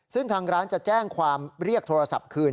ซึ่งทางร้านจะแจ้งความเรียกโทรศัพท์คืน